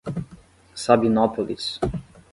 Sabinópolis